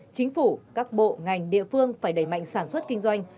chính phủ các bộ ngành địa phương phải đẩy mạnh sản xuất kinh doanh